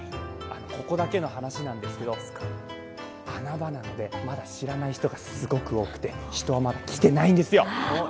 ここだけの話なんですけど、穴場なのでまだ知らない人がすごく多くて、人は来ていないんですよ。